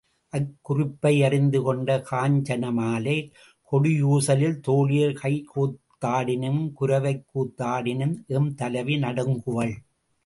அக் குறிப்பை அறிந்து கொண்ட காஞ்சனமாலை கொடியூசலில் தோழியர் கைகோத்தாடினும் குரவைக் கூத்து ஆடினும் எம் தலைவி நடுங்குவள்.